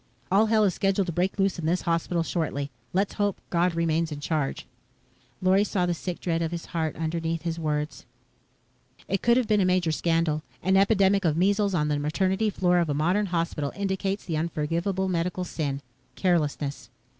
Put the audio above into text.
"All hell is scheduled to break loose in this hospital shortly. Let's hope God remains in charge." Lorry saw the sick dread of his heart underneath his words. It could have been a major scandal. An epidemic of measles on the maternity floor of a modern hospital indicates the unforgivable medical sin carelessness.